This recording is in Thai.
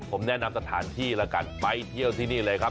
ผมแนะนำสถานที่แล้วกันไปเที่ยวที่นี่เลยครับ